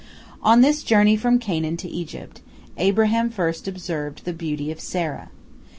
On this journey from Canaan to Egypt, Abraham first observed the beauty of Sarah.